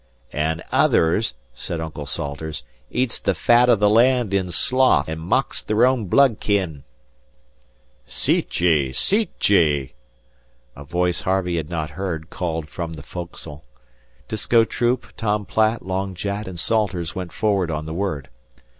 "An' others," said Uncle Salters, "eats the fat o' the land in sloth, an' mocks their own blood kin." "Seat ye! Seat ye!" a voice Harvey had not heard called from the foc'sle. Disko Troop, Tom Platt, Long Jack, and Salters went forward on the word.